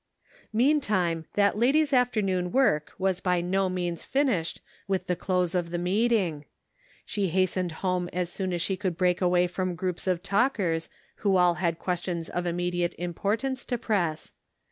Meantime that lady's afternoon work was by no means finished, with the close of the meet 506 The Pocket Measure. ing ; she hastened home as soon as she could break away from groups of talkers who all had questions of immediate importance to press.